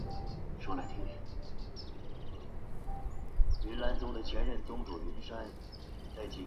而教育部表示只要读好一本而学得一纲即可应考。